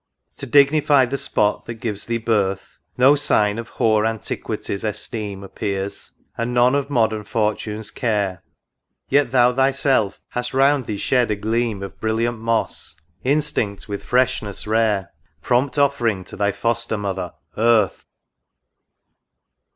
To dignify the spot that gives thee birth, No sign of hoar Antiquity's esteem Appears, and none of modern Fortune's care ; Yet thou thyself hast round thee shed a gleam Of brilliant moss, instinct with freshness rare ; Prompt offering to thy Foster mother, Earth